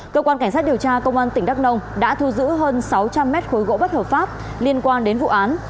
cơ quan cảnh sát điều tra công an tỉnh đắk nông đã thu giữ hơn sáu trăm linh mét khối gỗ bất hợp pháp liên quan đến vụ án